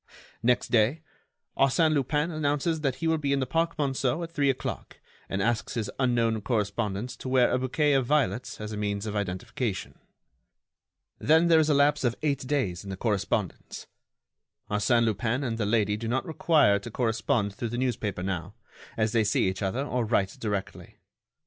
Next day, Arsène Lupin announces that he will be in the Park Monceau at three o'clock, and asks his unknown correspondent to wear a bouquet of violets as a means of identification. Then there is a lapse of eight days in the correspondence. Arsène Lupin and the lady do not require to correspond through the newspaper now, as they see each other or write directly.